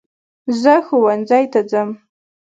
زه ښوونځی ته ځم